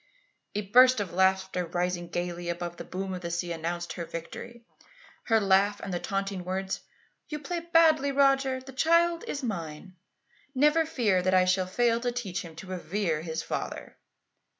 "A burst of laughter, rising gaily above the boom of the sea, announced her victory her laugh and the taunting words: 'You play badly, Roger. The child is mine. Never fear that I shall fail to teach him to revere his father.